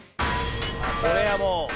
これはもう。